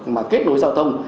mà kết nối giao thông